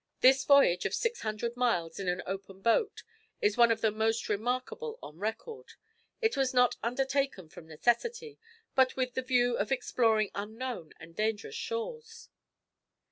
This voyage of six hundred miles in an open boat, is one of the most remarkable on record. It was not undertaken from necessity, but with the view to exploring unknown and dangerous shores."